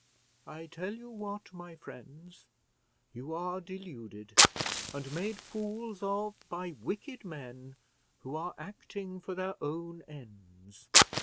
I tell you what, my friends; you are deluded, and made fools of by wicked men who are acting for their own ends.